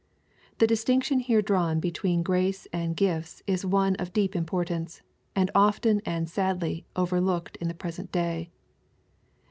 The distinction here drawn between grace and gifts is one of deep importance, and often and sadly overlooked in the present day.